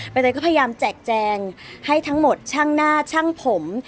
เตยก็พยายามแจกแจงให้ทั้งหมดช่างหน้าช่างผม